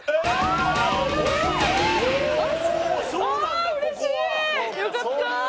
ああーうれしい！よかった！